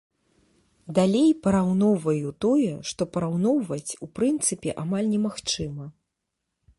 Далей параўноўваю тое, што параўноўваць у прынцыпе амаль немагчыма.